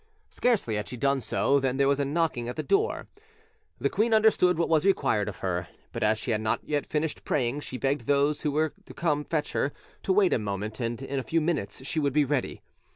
Scarcely had she done so, than there was a knocking at the door: the queen understood what was required of her; but as she had not finished praying, she begged those who were come to fetch her to wait a moment, and in a few minutes' she would be ready.